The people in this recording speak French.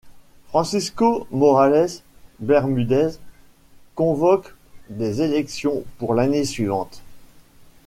Francisco Morales Bermudez convoque des élections pour l’année suivante.